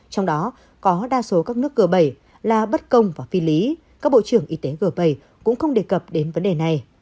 trong đó có đa số các nước g bảy là bất công và phi lý các bộ trưởng y tế g bảy cũng không đề cập đến vấn đề này